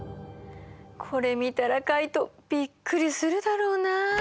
これ見たらカイトびっくりするだろうなあ。